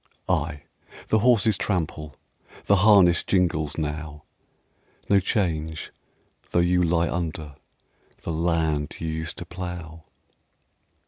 Ay, the horses trample, The harness jingles now; No change though you lie under The land you used to plough.